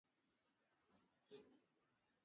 na watu sitini wamefunguliwa mashtaka